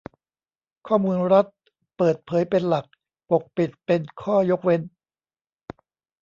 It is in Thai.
ข้อมูลรัฐ : เปิดเผยเป็นหลัก ปกปิดเป็นข้อยกเว้น